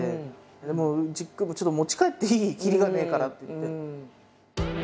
でもう「ちょっと持ち帰っていい？きりがねえから」って言って。